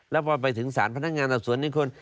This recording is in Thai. แล้วพอไปถึงศาลพนักงานอสวน๑คน